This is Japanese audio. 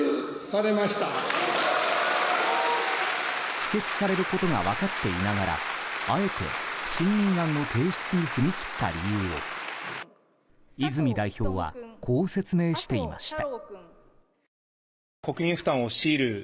否決されることが分かっていながらあえて不信任案の提出に踏み切った理由を泉代表はこう説明していました。